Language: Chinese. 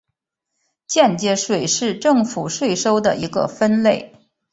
间接税是政府税收的一个分类。